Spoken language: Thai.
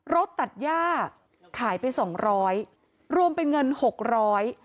รถตัดยากขายไป๒๐๐บาทรวมไปเงิน๖๐๐บาท